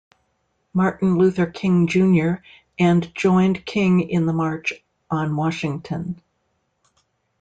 Martin Luther King Junior and joined King in the march on Washington.